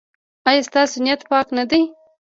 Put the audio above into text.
ایا ستاسو نیت پاک نه دی؟